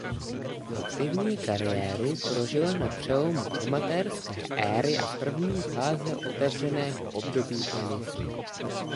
Aktivní kariéru prožila na přelomu amatérské éry a první fáze otevřeného období tenisu.